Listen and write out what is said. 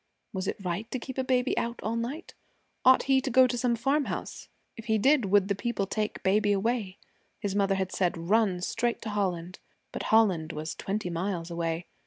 Was it right to keep a baby out all night? Ought he to go to some farmhouse? If he did, would the people take baby away? His mother had said, 'Run straight to Holland.' But Holland was twenty miles away.